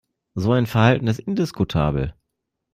So ein Verhalten ist indiskutabel.